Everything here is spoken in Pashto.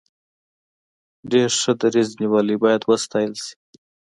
ډیر ښه دریځ نیولی باید وستایل شي.